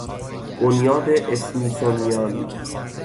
بنیاد اسمیسونیان